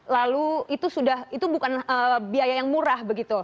lalu itu bukan biaya yang murah begitu